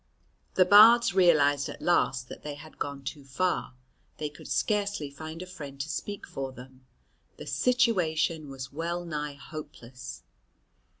The Bards realized at last that they had gone too far, they could scarcely find a friend to speak for them, the situation was wellnigh hopeless.